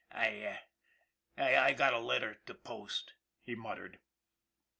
" I I got a letter to post," he muttered.